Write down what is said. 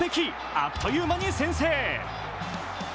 あっという間に先制。